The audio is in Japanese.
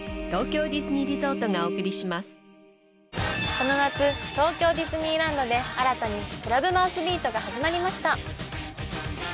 この夏東京ディズニーランドで新たにクラブマウスビートが始まりました。